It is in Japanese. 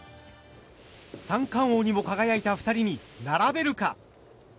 三冠王にも輝いた２人に並べるか。